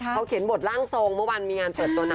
เขาเขียนบทร่างทรงเมื่อวานมีงานเปิดตัวนะ